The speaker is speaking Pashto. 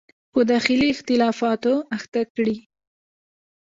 په داخلي اختلافاتو اخته کړي.